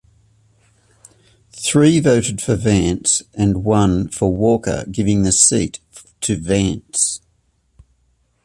Three voted for Vance, and one for Walker, giving the seat to Vance.